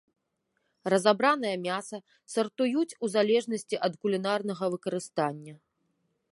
Разабранае мяса сартуюць у залежнасці ад кулінарнага выкарыстання.